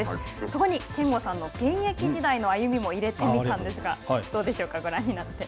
そこに憲剛さんの現役時代の歩みも入れてみたんですがどうでしょうか、ご覧になって。